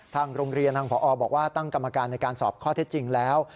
ทางโรงเรียนทางผอบอกว่าตั้งกรรมการในการสอบข้อเท็จจริงแล้ว